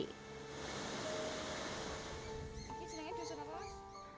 ramadi pendatang asal jawa yang memiliki dua hektare kebun karet